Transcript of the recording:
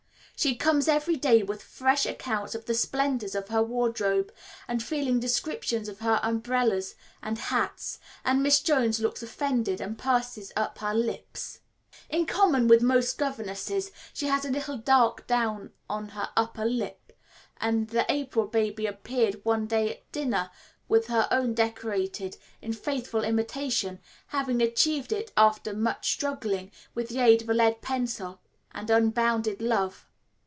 She comes every day with fresh accounts of the splendours of her wardrobe, and feeling descriptions of her umbrellas and hats; and Miss Jones looks offended and purses up her lips. In common with most governesses, she has a little dark down on her upper lip, and the April baby appeared one day at dinner with her own decorated in faithful imitation, having achieved it after much struggling, with the aid of a lead pencil and unbounded love.